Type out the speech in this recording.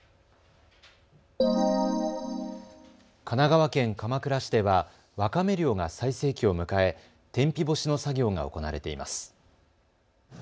神奈川県鎌倉市ではわかめ漁が最盛期を迎え天日干しの作業が行われています。